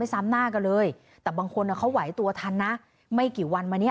ซ้ำหน้ากันเลยแต่บางคนเขาไหวตัวทันนะไม่กี่วันมาเนี้ย